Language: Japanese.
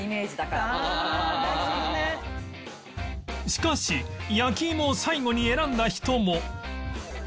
しかし焼き芋を最後に選んだ人も